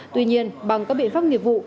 tuy nhiên bằng các biện pháp nghiệp vụ